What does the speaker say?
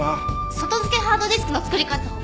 外付けハードディスクの作り方を。